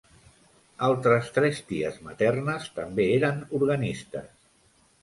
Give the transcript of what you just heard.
Altres tres ties maternes també eren organistes.